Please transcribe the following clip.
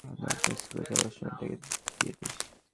নাজমা স্কুলে যাবার সময় তাকে দিয়ে দিস।